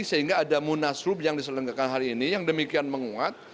sehingga ada munaslup yang diselenggakkan hari ini yang demikian menguat